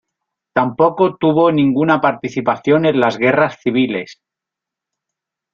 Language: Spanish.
Tampoco tuvo ninguna participación en las guerras civiles.